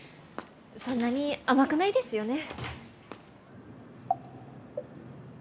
そんなに甘くないですよね。